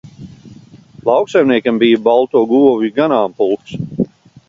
Lauksaimniekam bija balto govju ganāmpulks